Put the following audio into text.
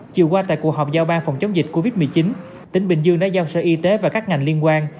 chiều qua tại cuộc họp giao ban phòng chống dịch covid một mươi chín tỉnh bình dương đã giao sở y tế và các ngành liên quan